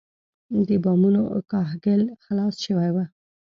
د بامونو کاهګل خلاص شوی و.